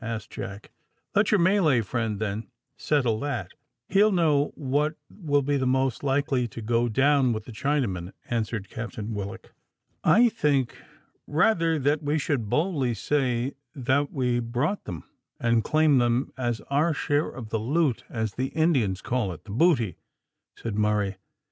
asked Jack. "Let your Malay friend, then, settle that; he'll know what will be most likely to go down with the Chinamen," answered Captain Willock. "I think, rather, that we should boldly say that we brought them, and claim them as our share of the loot as the Indians call it the booty," said Murray.